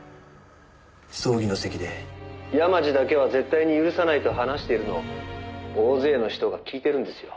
葬儀の席で山路だけは絶対に許さないと話しているのを大勢の人が聞いてるんですよ。